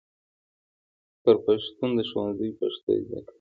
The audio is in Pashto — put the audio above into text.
بر پښتون د ښوونځي پښتو زده کوي.